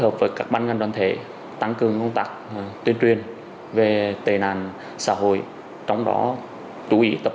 hợp với các ban ngân đoàn thể tăng cường công tác tuyên truyền về tên àn xã hội trong đó chú ý tập